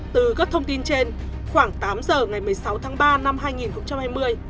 từ các thông tin trên khoảng tám giờ ngày một mươi sáu tháng ba năm hai nghìn hai mươi